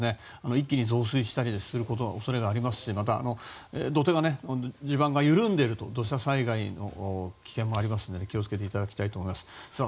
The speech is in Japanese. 一気に増水したりする恐れがありますしまた、土手の地盤が緩んでいると土砂災害の危険もありますので気を付けていただきたいと思います。